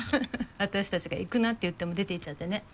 私達が行くなって言っても出て行っちゃってね。